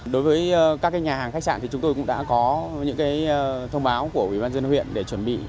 đối với các nhà hàng khách sạn thì chúng tôi cũng đã có những thông báo của ubnd huyện để chuẩn bị